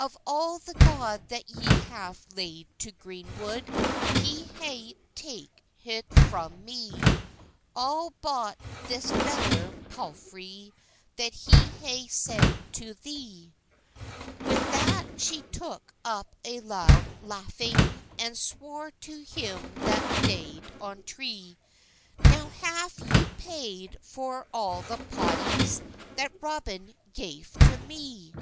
"Of all the god that y haffe lade to grene wod, He hayt take het fro me, All bot this feyr palffrey, That he hayt sende to the." With that sche toke op a lowde lawhyng, And swhar be hem that deyed on tre, "Now haffe yow payed for all the pottys That Roben gaffe to me.